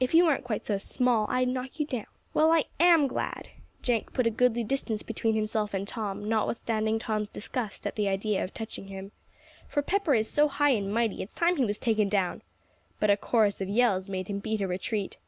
"If you weren't quite so small, I'd knock you down." "Well, I am glad," Jenk put a goodly distance between himself and Tom, notwithstanding Tom's disgust at the idea of touching him "for Pepper is so high and mighty, it's time he was taken down," but a chorus of yells made him beat a retreat.